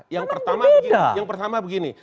yang pertama begini